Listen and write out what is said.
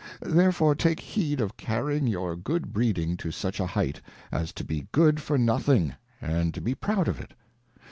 Therefore take heed of carrying your good Breeding to such a height, as to be good for nothing, and to be proud of it.